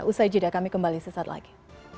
usai jeda kami kembali sesaat lagi